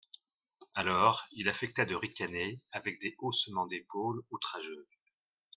Alors, il affecta de ricaner, avec des haussements d'épaules outrageux.